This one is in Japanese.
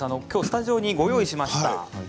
きょうスタジオにご用意しました。